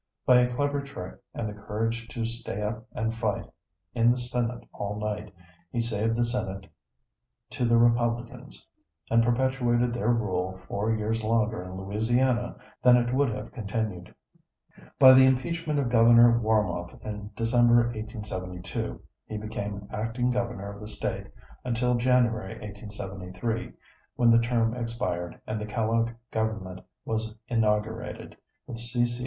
By a clever trick and the courage to stay up and fight in the senate all night, he saved the senate to the Republicans and perpetuated their rule four years longer in Louisiana than it would have continued. By the impeachment of Governor Warmoth in December, 1872, he became Acting Governor of the State until Jan., 1873, when the term expired and the Kellogg government was inaugurated, with C. C.